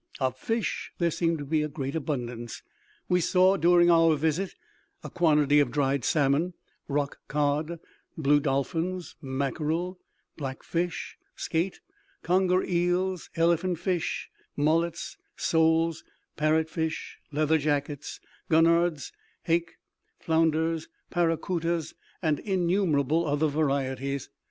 Of fish there seemed to be a great abundance. We saw, during our visit, a quantity of dried salmon, rock cod, blue dolphins, mackerel, blackfish, skate, conger eels, elephantfish, mullets, soles, parrotfish, leather jackets, gurnards, hake, flounders, paracutas, and innumerable other varieties.